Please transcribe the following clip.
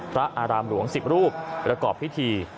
อารามหลวง๑๐รูปประกอบพิธี